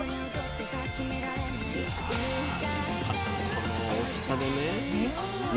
この大きさでね。